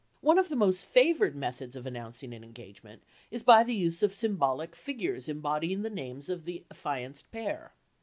One of the most favored methods of announcing an engagement is by the use of symbolic figures embodying the names of the affianced pair.